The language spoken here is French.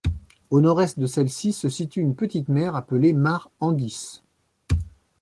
Au nord-est de celle-ci se situe une petite mer appelée Mare Anguis.